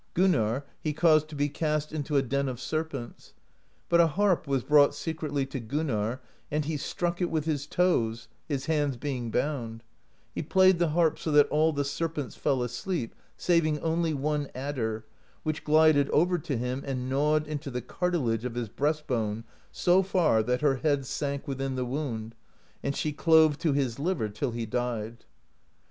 Gun narr he caused to be cast into a den of serpents. But a harp was brought secretly to Gunnarr, and he struck it with his toes, his hands being bound; he played the harp so that all the serpents fell asleep, saving only one adder, which glided over to him and gnawed into the cartilage of his breast bone so far that her head sank within the wound, and she clove to his liver till he died.